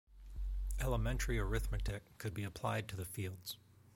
Elementary arithmetic could be applied to the fields.